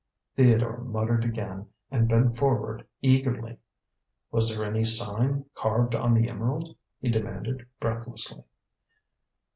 Theodore muttered again and bent forward eagerly. "Was there any sign carved on the emerald?" he demanded breathlessly.